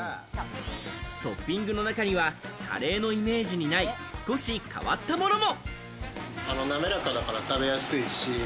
トッピングの中にはカレーのイメージにない少し変わったものも。